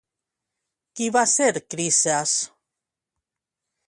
Qui va ser Crises?